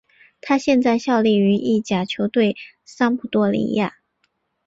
他现在效力于意甲球队桑普多利亚。